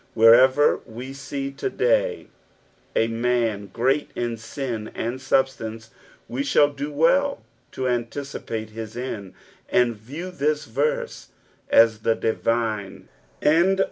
Wherever we see to day a man great in sin and substance, we shall do well to anticipate bis end, and view this verse ae the divine in 8.